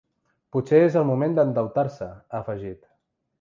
Potser és el moment d’endeutar-se, ha afegit.